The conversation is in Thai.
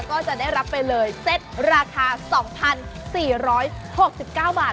ก็จะได้รับไปเลยเซ็ตราคา๒๔๖๙บาท